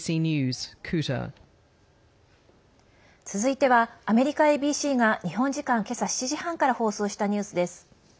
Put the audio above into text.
続いてはアメリカＡＢＣが日本時間、今朝７時半から放送したニュースです。